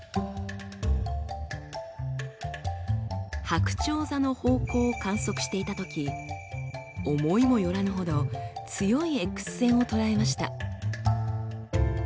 はくちょう座の方向を観測していたとき思いもよらぬほど強いＸ線を捉えました。